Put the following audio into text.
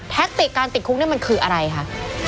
ติกการติดคุกนี่มันคืออะไรคะ